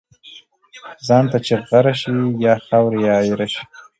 ځان ته چی غره شی ، یا خاوري یا ايره شی .